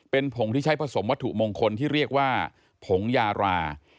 เป็นผงที่ใช้ผสมวัตถุมงคลที่เรียกว่าผงยารา